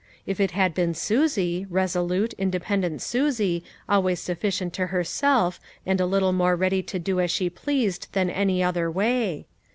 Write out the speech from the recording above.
If it had been Susie, resolute, indepen dent Susie always sufficient to herself and a little more ready to do as she pleased than any other way